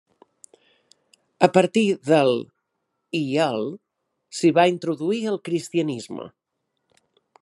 A partir del i al s'hi va introduir el cristianisme.